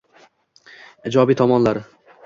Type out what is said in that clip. Ijobiy tomonlari: